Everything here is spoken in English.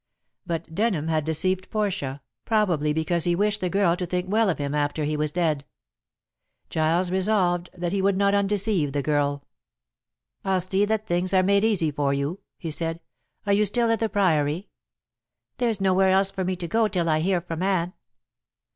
But Denham had deceived Portia, probably because he wished the girl to think well of him after he was dead. Giles resolved that he would not undeceive the girl. "I'll see that things are made easy for you," he said. "Are you still at the Priory?" "There's nowhere else for me to go till I hear from Anne."